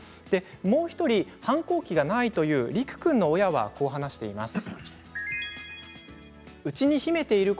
もう１人、反抗期がないというりく君の親はこう話しています。